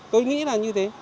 tôi nghĩ là như thế